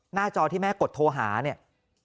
จอที่แม่กดโทรหาเนี่ย